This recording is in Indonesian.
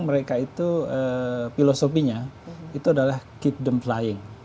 mereka itu filosofinya itu adalah keep them flying